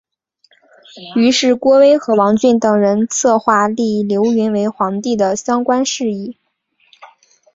于是郭威和王峻等人策划立刘赟为皇帝的相关事宜。